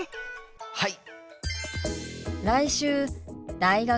はい！